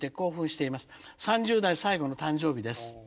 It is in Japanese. ３０代最後の誕生日です。